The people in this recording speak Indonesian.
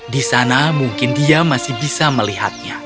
di sana mungkin masih dia bisa melihatnya